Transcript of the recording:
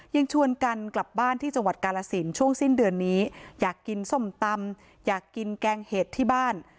ยังชวนกันกลับบ้านที่จังหวัดกาลสินช่วงสิ้นเดือนนี้อยากกินส้มตำอยากกินแกงเห็ดที่บ้าน